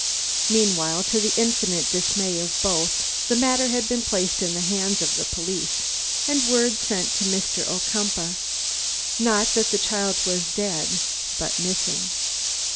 Meanwhile, to the infinite dismay of both, the matter had been placed in the hands of the police and word sent to Mr. Ocumpaugh, not that the child was dead, but missing.